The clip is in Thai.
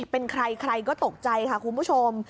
เป็นใครใครก็ตกใจค่ะคุณผู้ชม